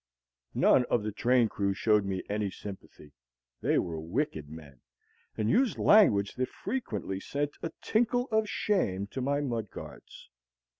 None of the train crew showed me any sympathy. They were wicked men, and used language that frequently sent a tinkle of shame to my mudguards.